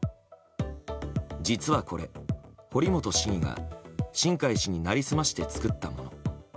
実はこれ、堀本市議が新開氏になりすまして作ったもの。